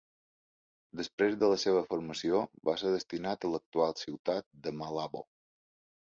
Després de la seva formació, va ser destinat a l'actual ciutat de Malabo.